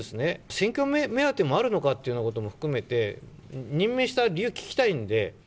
選挙目当てもあるのかということも含めて、任命した理由聞きたいんで。